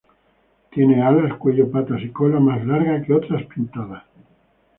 Tiene alas, cuello, patas y cola más larga que otras pintadas.